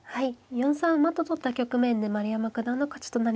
４三馬と取った局面で丸山九段の勝ちとなりました。